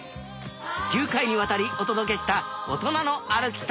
９回にわたりお届けした「おとなの歩き旅」。